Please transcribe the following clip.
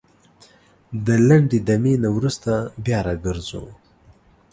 دا لنډې دمي نه وروسته بيا راګرځوو